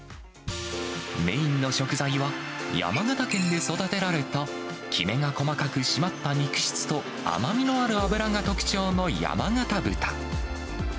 メインの食材は、山形県で育てられたきめが細かく締まった肉質と、甘みのある脂が特徴の山形豚。